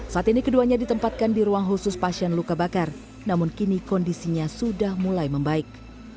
saat ini keduanya ditempatkan di ruang khusus pasien luka bakar namun kini kondisinya sudah mulai membaik